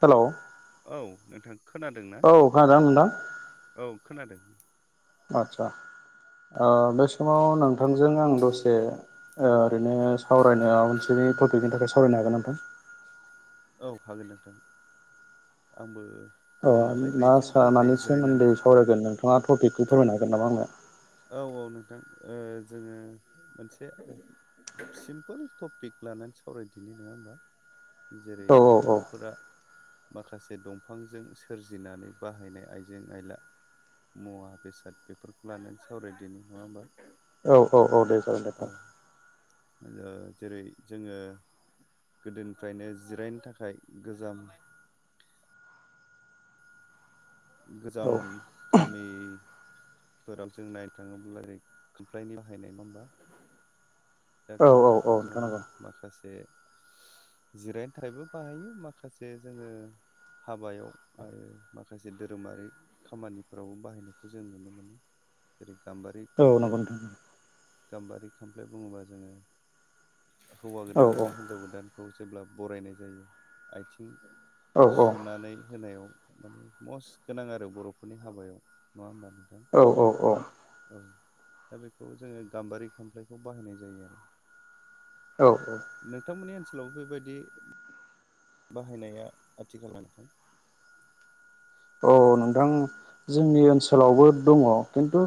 [inaudible] Hello औ नोंथां। खोनादोंना औ खोनादोंना नोंथां? औ खोनादों। आच्छा ओ बे समाव नोंथांजों आं दसे ओ ओरैनो सावरायनो [unintelligible] बे टपिकनि थाखाय सावरायनो हागोन नोंथां? औ हागोन नोंथां आंबो अ गरम नालाय मा ओरैनोसो सा दंखायो मानि जिरायनानै सोमोन्दै सावरायगोन नोंथाङा टपिकखौ फोरमायनो हागोन नामा आंनो? औ औ नोंथां ओ जोङो मोनसे सिम्पोल टपिक लानानै सावरायदिनि नोङा होमबा? जेरै औ बर'फोरा माखासे दंफांजों सोरजिनानै बाहायनाय आइजें आइला मुवा बेसाद बेफोरखौ लानानै सावरायदिनि नङा होमबा? औ औ औ दे जागोन दे औ नोंथां। ओ जेरै जोङो गोदोनिफ्रायनो जिरायनो थाखाय गोजाम गोजाम नोंथां गामि फोराव जों नायनो थाङोब्ला ओरै खामफ्लायनि बाहायनाय नङा होनबा? दा औ औ खामफ्लायखौ औ नोंथां जोङो नंगौ माखासे [unintelligible] जिरायनो थाखायबो बाहायो माखासे जोङो हाबायाव आरो माखासे जे धोरोमारि खामानिफ्रावबो बाहायनायखौ जों नुनो मोनो जेरै गाम्बारि औ खामफ्लाय नंगौ नोंथां गाम्बारि खामफ्लाय बुङोबा जोङो हौवा औ गोदान आरो होनजाव गोदानखौ जेब्ला बरायनाय जायो आयथिं औ सुनानै होनायाव माने मस गोनां आरो बर'फोरनि हाबायाव नङा होमबा? नोंथां औ औ औ औ दा बेखौ जोङो गाम्बारि खामफ्लायखौ बाहायनाय जायो आरो औ औ नोंथांमोननि ओनसोलाव बेबायदि बाहायनाया आथिखाल [unintelligible] नोंथां औ नोंथां जोंनि ओनसोलावबो दङ खिन्थु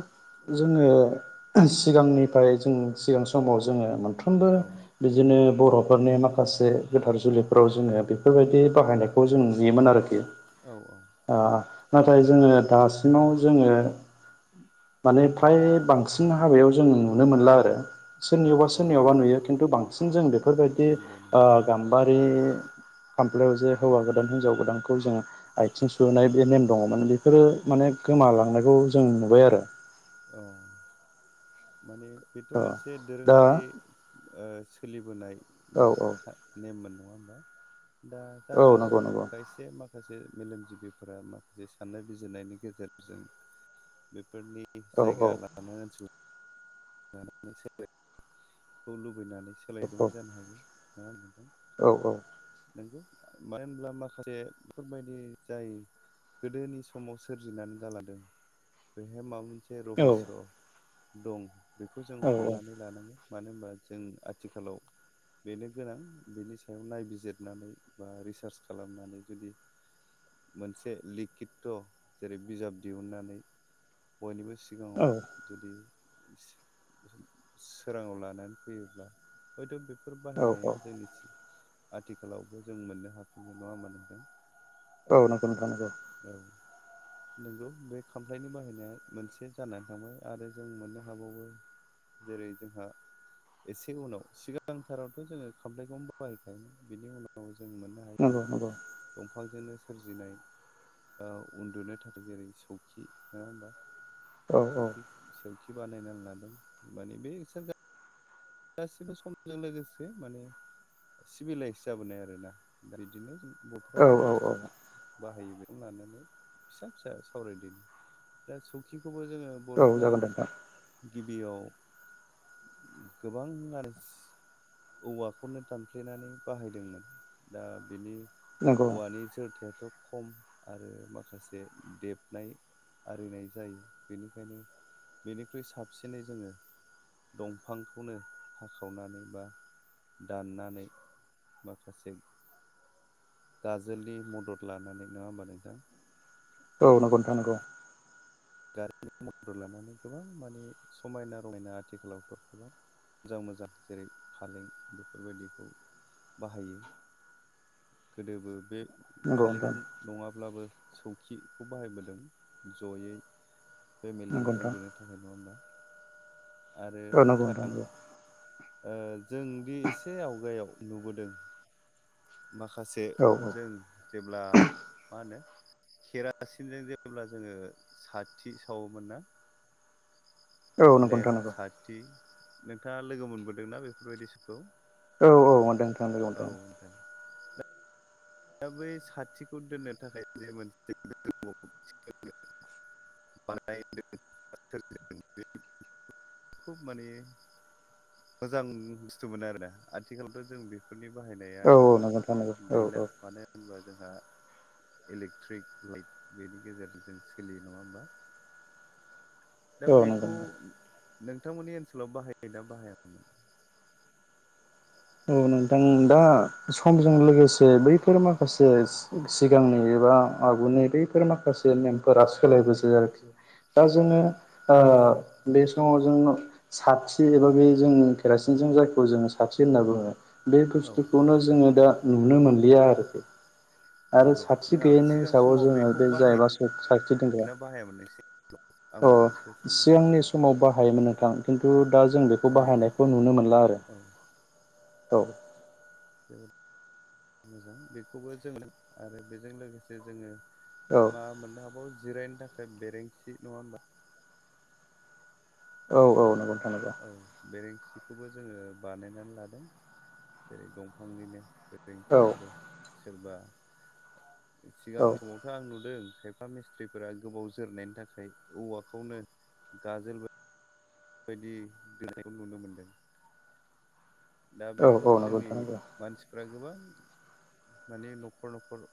जोङो सिगांनिफ्राय जों सिगां समाव जोङो मो नफ्रोमबो औ बिदिनो बर' फोरनि माखासे गोथार जुलिफोराव जोङो बेफोरबायदि बाहायनायखौ जों नुयोमोन आरोखि औ औ ओ नाथाय जोङो दासिमाव जोङो माने फ्राय बांसिन हाबायाव जों नुनो मोनला आरो सोरनियावबा अ सोरनियावबा नुयो खिन्थु बांसिन जों बेफोरबायदि नंगौ ओ नंगौ गाम्बारि खामफ्लायाव जे हौवा गोदान हिनजाव गोदानखौ जोङो आयथिं सुनाय बे नेम दङमोन बेफोरो माने गोमालांनायखौ जों नुबाय आरो। औ माने बेथ' औ मोनसे दा दोरोङारि ओ सोलिबोनाय औ मोनसे औ खा-नेम मोन। नङा होमबा दा औ जानो हागौ नंगौ नंगौ खायसे मा खासे मेलेमजिबिफोरा माखासे साननाय बिजिरनायनि गेजेरजों बे फोरनि औ जायगा औ लानो ओनसो लानानै सोलायखौ लुबैनानै सोलायदोंबो जानो हागौ नङा होनबा? औ-औ नंगौ मानो होनब्ला माखासे बेफोरबायदि जाय गोदोनि समाव सोरजिनानै गालांदों बेहाय माबा मोन नसे रहयस' दं बेखौ जों औ औ हमनानै लानांगोन। मानो होनबा जों आथिखालाव बेनो गोनां बेनि सायाव नायबिजिरनानै बा रिसार्च खालामनानै जुदि मोनसे लिखित' जेरै बिजाब दिहुननानै बयनिबो सिगाङाव जुदि सोराङाव लानानै फैयोब्ला हयथ' बेफोर नंगौ बाहायनाया जोंनिसिम आथिखालावबो जों मोननो हाफिननाय नङा होनबा नोंथां? औ नंगौ नोंथां नंगौ। औ नोंगौ बे खामफ्लायनि बाहायनाया मोनसे जानानै थांबाय आरो जों मोननो हाबावो जेरै जोंहा एसे उनाव सिगांथारावथ' जोङो खाम्लायखौमबो बाहायखायोमोन बिनि उनाव जों मोननो हायो नंगौ नंगौ दंफांजोंनो सोरजिनाय उन्दुनो थाखाय जेरै सौखि नङा होनबा औ सौखि सौ खि बानायनानै लादों माने बे सोर गासिबो समजों लोगोसे माने सिभिलाइस जाबोनाय आरोना दा बिदिनो जों बर'फ्रा मा मा औ औ औ बुस्थुखौ बाहायो बेखौनो लानानै फिसा-फिसा सावरायदोनि दा सौखि खौबो जोङो औ बर'फ्रा जागोन दे नोंथां गिबियाव गोबांआनो औवाखौनो दानफ्लेनानै बाहायदोंमोन दा बेनि नंगौ औवानि जोरथायाथ' खम आरो माखासे देबनाय आरिनाय जायो। बेनिखायनो बेनिख्रुइ साबसिनै जोङो दंफां खौनो हाखावनानै बा दाननानै माखासे गाजोलनि मदद लानानै नङा होमबा नोंथां औ नंगौ नोंथां नंगौ। गारिनि मदर लानानै गोबां माने समायना रमायना आथिखालावथ' गोबां। मोजां मोजां जेरै फालें बेफोरबायदिखौ बाहायो। गोदोबो बे नंगौ फालें नोंथां नङाब्लाबो सौखिखौ बाहायबोदों जयै। फेमिलि नंगौ नोंथां उन्दुनो थाखाय नङा होमबा। आरो औ नंगौ नोंथां नंगौ ओ जोंदि एसे आवगायाव नुबोदों माखासे औ जों। जेब्ला मा होनो केेरासिनजों जेब्ला जोङो सा थि सावोमोन ना? औ नंगौ नोंथां लेमप नंगौ साथि नोंथाङा लोगो मोनबोदोंना बेफोरबायदि‌ समखौ। औ औ मोनदों। औ नोंथां। दा बै साथिखौ दोननो थाखाय जे [inaudible] मोनसे। [unintelligible] खुब माने मोजां बुस्थु मोनो आरोना आथिखालावथ' जों बेफोर औ औ नंगौ नोंथां नंगौ औ औ। मानो होनबा जोंहा इलेक्ट्रिक लाइट बेनि गेजेरजों जों सोलियो नङा होमबा दा औ नंगौ बेखौ नोंथांमोननि ओनसोलाव बाहायो ना बाहायामोन? औ नोंथां दा समजों लोगोसे बैफोर माखासे सि सिगांनि एबा आगुनि बैफोर माखासे नेमफोरा सोलायबो जायो आरोखि दा जोङो। ओ औ बे समाव जोङो साथि एबा बे जों केरासिनजों जायखौ जोङो साथि होनना बुङो। बे औ बुस्थुखौनो जोङो दा नुनो मोनलिया आरोखि। आरो नंगौ साथि नङा गैयैनि सिगां हिसाबाव समाव जोङो बेखौ बे जायबा बाहायो साथि दोनग्रा ना बाहायामोन नोंसोर आं अ बेखौसो सोंदों सिगांनि समाव बाहायोमोन नोंथां। खिन्थु दा जों बेखौ बाहायोना बाहायनायखौ नुनो मोनला आरो औ औ जोबोद मोजां बेखौबो जोङो आरो बेजों लोगोसे जोङो औ मा मोननो हाबावो जिरायनो थाखाय बेरेंसि नङा होमबा? औ औ नंगौ नोंथां नंगौ औ बेरें सिखौबो जोङो बानायनानै लादों जेरै दंफांनिनो। औ बेरेंनसियाबो सोरबा औ सिगांनि समावथ' आं नुदों खायफा मिस्थ्रिफोरा गोबाव जोरनायनि थाखाय औवाखौनो गाजोल बायदि दोनायखौ नुनो मोनदों। दा औ बेयावबो औ नंगौ जोंनि नोंथां नंगौ मानसिफ्रा गोबां माने न'खर न'खर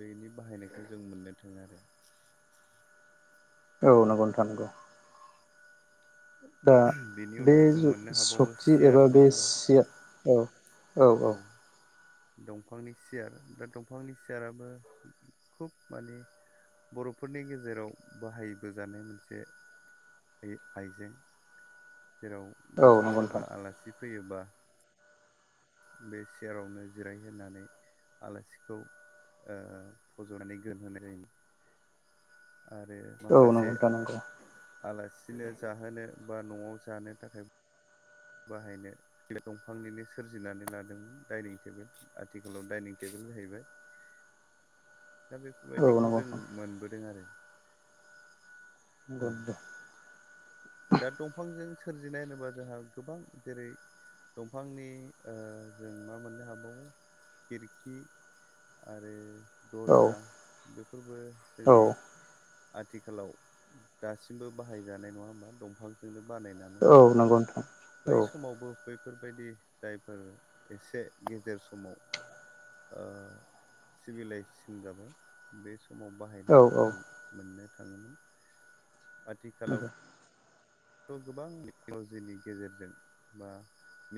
बेनि बाहायनायखौ जों मोननो थाङो आरो। [inaudible] औ नंगौ नोंथां नंगौ। दा बेनि बे उनाव जों जं मोननो हाबावो सक्टि सियार एबा नङा बे होमबा सिया औ। औ औ। दंफांनि सियार दा दंफांनि सियाराबो खुब माने बर'फोरनि गेजेराव बाहायबोजानाय मोनसे आइजें जेराव गो औ नंगौ सोरबा नोंथां आलासि फैयोबा। बे सियारावनो जिरायहोनानै आलासिखौ ओ फज'नानै गोनहोनाय जायो आरो औ नंगौ माखासे नोंथां नंगौ आलासिनो, जाहोनो बा न'आव, जानो थाखाय, बाहायनो दंफांनि नो सोरजि नानै लादोंमोन दाइनिं टेबोल आथिखालाव दाइनिं टेबोल जाहै बाय [inaudible] दा औ बेफोरबायदिखौ नंगौ जों नोंथां मोनबो आरो औ नंगौ नंगौ दा दंफांजों, सोरजिनाय होनोबा जोंहा गोबां जेरै दंफांनि ओ जों मा मोननो हाबावो खिरखि आरो औ दरर्जा बेफोरबो औ जोंनि आथिखालाव दासिमबो बाहाय जानाय नङा होमबा दंफांजोंनो बानायनानै औ नंगौ नोंथां बै औ समावबो बैफोर बायदि जायफोर एसे गेजेर समाव ओ सिभिलाइ जेसन जाबाय बे सम समाव बाहाय औ नायखौ जों मोननो थाङोमोन आथि खालावथ' नंगौ गोबां टेक्न' लजिनि गेजेरजों बा,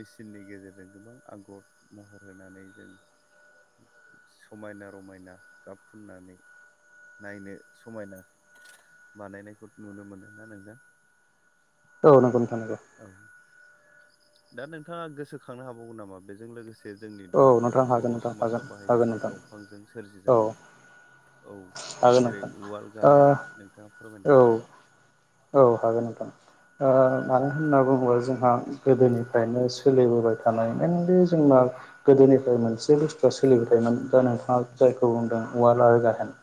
मेसिननि, गेजेरजों गोबां, आगर, महर होनानै जों, समायना रमायना गाब फुननानै, नायनो समायना बानायनायखौ नुनो मोनदों ना नोंथां औ नंगौ नोंथांनि औ दा नोंथाङा गोसोखांनो हाबावगोन नामा बेजों लोगोसे बे जोंनि औ माखासे नोंथां बर' हागोन नोंथां समाजाव हागोन हागोन बाहायजानाय नोंथां दंफांजों सोरजि औ जानायफोर औ हागोन जेरै नोंथां उवाल गाहेन ओ नोंथाङा औ फोरमायनो हागोन औ हागोन नोथां मानो होनना बुङोबा जोंहा गोदोनिफ्रायनो सोलिबोबाय थानाय मइेनलि जोंना गोदोनिफ्राय मोनसे बुस्थु आ सोलिबोबाइ थायो मोन जायखौ बुंदों वाल आरो गाहेन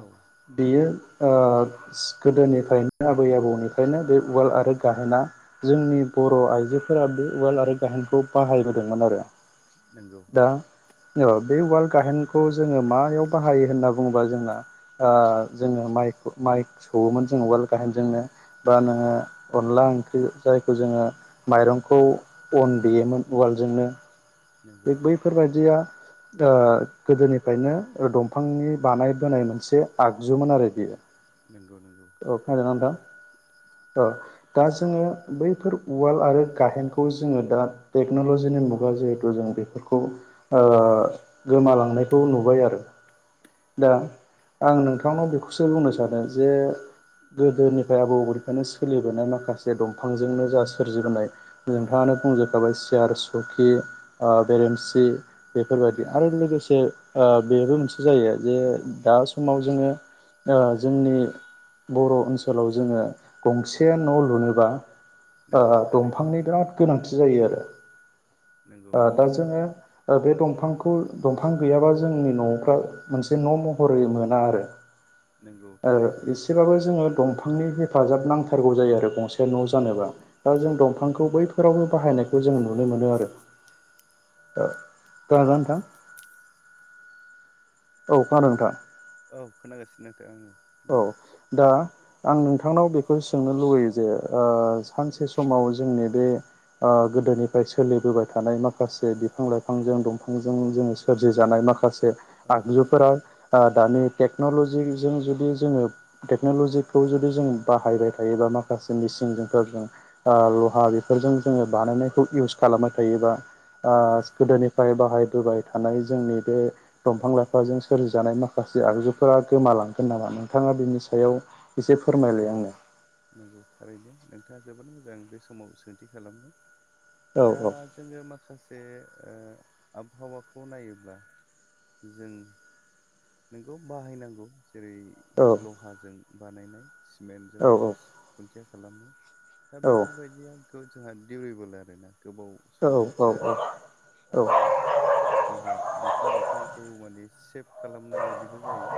औ बेयो गोदोनि फ्रायनो आबै आबौनिफ्रायनो बे उवाल आरो गाहोना जोंनि बर'आइजोफोरा बे उाल आरो गाहेनखौ बाहायबोदों मोन आरो नंगौ दा बे उवाल गाहेनखौ जोङो मायाव बाहायो होनना बुङोबा जोंना जोङो माइखौ माइ सौओमोन जोङो वेल गाहेन जोंनो बा नोङो नंगौ अनला ओंख्रि जायखौ जोङो माइरंखौ अन देयोमोन उवाल जोंनो नंगौ बै फोरबायदिया ओ गोदोनिफ्रायनो दंफांनि बानाय बोनाय मोनसे आगजुमोन आरो बियो नंगौ नंगौ अ खोनादों ना नोंथां दा जोङो, बैफोर उवाल आरो गाहेन खौ जोङो दा, टेक्न'ल जिनि मुगा जेहेतु जों बेफोरखौ, गोमालांनाय खौ नुबाय आरो दा आं नोंथांनाव बेखौसो बुंनो सानो जे गोदोनि फ्राय आबौ आबनिफ्रायनो सोलिबोनाय माखासे दंफांजोंनो जा सोरजि बोनाय औ नोंथाङानो बुंजोबखाबाय सियार सकि बेरेनसि बेफोर बायदि नंगौ आरो लोगोसे बेबो, मोनसे जायो जे, दा समाव, जोङो जोंनि, बर' ओनसोलाव जोङो गंसे न' लुनोबा नंगौ थारैनो दंफांनि बिराद गोनांथि जायो आरो नंगौ दा नंगौ जोङो बे दंफांखौ दंफां गैयाबा जोंनि न'फ्रा मोनसे न' महर मोना आरो नंगौ ओ थारैनो एसेबबो जोङो दंफांनि हेफाजाब नांथारगौ जायो आरो गंसे न' जानोबा दा जों दंफांखौ बैफोरावनो बायनाय बेखौ जोङो नुनो मोनो आरो खोनादों ना नोंथां? औ खादों नोंथां। औ खोनागासिनो। नोंथां आङो औ बुं दा। आं नोंथांनाव बेखौ सोंनो लुगैयो जे ओ सानसे समाव जोंनि बे। ओ गोदोनिफ्राय सोलिबोबाय थानाय माखासे बिफां लाइफांजों दंफांजों जोङो सोरजिजानाय माखासे। औ आगजुफोरा दानि टेक्नलजिजों जुदि। जों टेकन'ल'जिखौ जुदि जों बाहायबाय थायोबा माखासे मेसिनफो जों ओ। लहा बेजों जोङो बानायनाय इउस खालामबाय थायोबा ओ नंगौ सुखुदानि। फाय बाहायबोबाय थानाय जोंनि बे दंफां लाइफां। लांगोन नामा नोंथाङा बिनि सायाव। एसे फोरमायलाय औ आंनो नंगौ थारैनो नोंथाङा जोबोद मोजां बे समाव सोंथि खालामदों। दा औ जोङो माखासे। बे ओ आबहावाखौ नायोब्ला जों। नोंखौ बाहायनांगौ जेरै औ लहाजों बानायनाय। सिमेन्टजों औ पस्ट खुन्थिया खालामो दा औ बेफोरबायदिया। जोंहा दिउरिबोल आरो ना। गोबाव सम जोरो औ आरो जोंहा बि। बिफां लाइफांखौ माने सेभ खालामनाय बायदिबो जायो।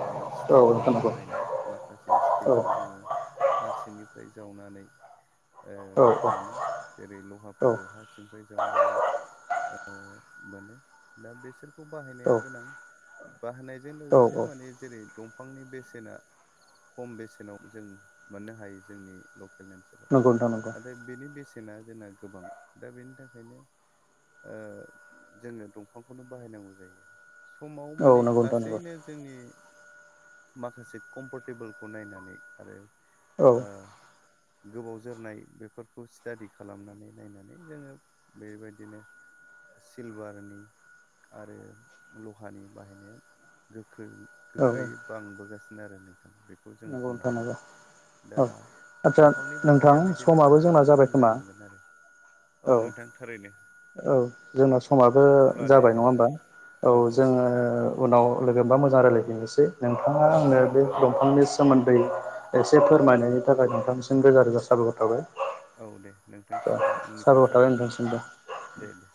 जेरै औ स्टिलनि नंगौ बाहायनाय माखासे औ स्टिलखौ जोङो हार सिंनि। फ्राय जावनानै। औ ओ मोनो जेरै लहाफोरखौ हा सिंफ्राय जावनानै। ओ मोनो दा बेसोरखौ बाहायनाया औ गोनां। बाहायजों औ लोगोसे औ माने जेरै दंफां। बिफांनि बेसेना खम बेसेनाव जों मोननो हायो जोंनि लकेल। ओनसोलाव नंगौ नोंथां नंगौ नाथाय बेनि बेसेना जोंना गोबां दा बेनि थाखायनो। जोङो दंफांखौनो बाहायनांगौ जायो आरो सम। औ माने नंगौ नोंथां नंगौ लासैनो जोंनि। माखासे कम्फटेबोलखौ नायनानै आरो औ ओ। गोबाव जोरनाय बेफोरखौ स्टादि खालामनानै नायनानै जोङो बेबायदिनो। सिलभारनि आरो लहानि। बाहायनाया गोख्रं औ गोख्रैयै बांबोगासिनो आरो नों। बेखौ जों नंगौ बुंनो नोंथां हायो। नंगौ दा औ आदसा दंफांनि नोंथां बाहायनाया बिदिनो समाबो जोंना लासैनो जाबाय खम खोमा जालांगोन आरो। औ नोंथां थारैनो औ जोंना समाबो अब्ला दे जाबाय नङा नोंथां होमबा। औ जोङो उनाव लोगोबा मोजां रायलायफिननोसै नोंथाङा नंगौ आंनो बे थारैनो दंफांनि। सोमोन्दै एसे फोरमायनायनि थाखाय नोंथांनिसिम रोजा रोजा साबायखर थाबाय। औ दे नोंथांनिसिमबो आंनिफ्राय साबायखर थाबाय दे दे।